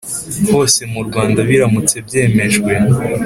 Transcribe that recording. hose mu Rwanda biramutse byemejwe